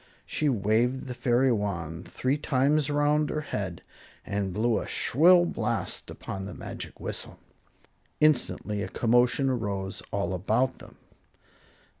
She waved the fairy wand three times around her head and blew a shrill blast upon the magic whistle. Instantly a commotion arose all about them.